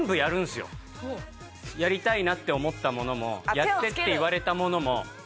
やりたいなって思ったものもやってって言われたものも。